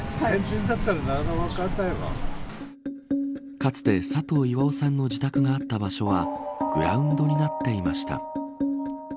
かつて佐藤岩雄さんの自宅があった場所はグラウンドになっていました。